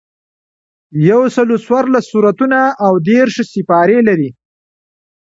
یوسلو څوارلس سورتونه او دېرش سپارې لري.